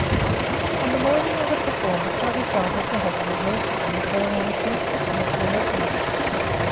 "On the morning of the performance I decided to have a rehearsal, and called on a few picked men to help me.